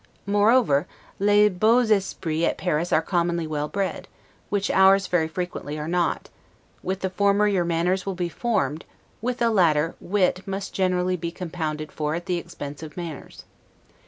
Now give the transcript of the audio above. Moreover, 'les beaux esprits' at Paris are commonly well bred, which ours very frequently are not; with the former your manners will be formed; with the latter, wit must generally be compounded for at the expense of manners.